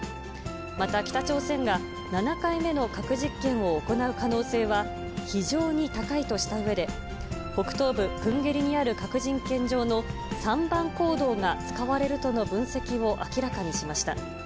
また、北朝鮮が７回目の核実験を行う可能性は非常に高いとしたうえで、北東部プンゲリにある核実験場の３番坑道が使われるとの分析を明らかにしました。